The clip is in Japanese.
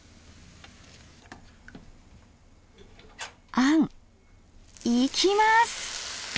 あんいきます！